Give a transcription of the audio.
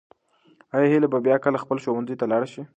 آیا هیله به بیا کله خپل ښوونځي ته لاړه شي؟